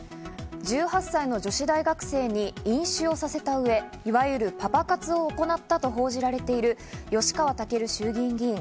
１８歳の女子大学生に飲酒をさせた上、いわゆるパパ活を行ったと報じられている吉川赳衆議院議員。